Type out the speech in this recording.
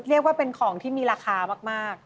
เรียกว่าเป็นของที่มีราคามาก